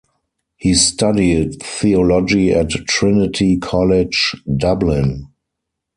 He studied Theology at Trinity College, Dublin.